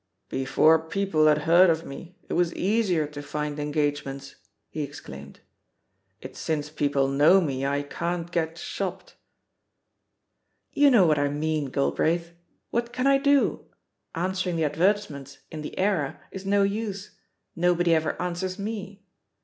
"Before people had heard of me it was easier to find engagements," he exclaimed; "it's since people know me I can't get shopped." "You know what I mean, Galbraith. What can I do ? Answering the advertisements in The Era is no use — ^nobody ever answers me.